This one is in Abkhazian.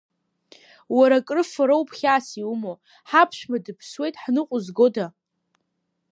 Уара акрыфароп хьаас иумо, ҳаԥшәма дыԥсуеит, ҳныҟәызгода?